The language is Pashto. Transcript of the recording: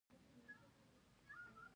د نورو په ارزښت ورکولو ستاسي ارزښت ډېرېږي.